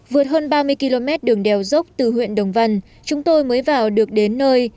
vượt hơn ba mươi km đường đèo dốc từ huyện đồng văn chúng tôi mới vào được đến nơi